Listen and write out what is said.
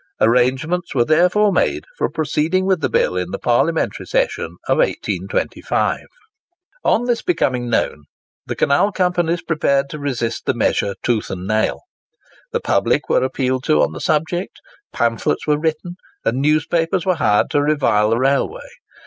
Arrangements were therefore made for proceeding with the bill in the parliamentary session of 1825. On this becoming known, the canal companies prepared to resist the measure tooth and nail. The public were appealed to on the subject; pamphlets were written and newspapers were hired to revile the railway.